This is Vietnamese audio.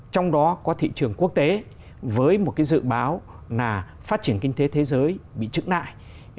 trong đó có thị trường quốc tế với một dự báo là phát triển kinh tế thế giới bị trứng lại